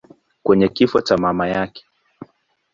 kwenye kifo cha mama yake.